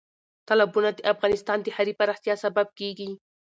تالابونه د افغانستان د ښاري پراختیا سبب کېږي.